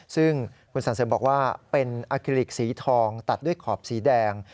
ซึ่งคุณสันเสริมบอกว่าเป็นอาคิลิกสีทองตัดด้วยขอบสีแดง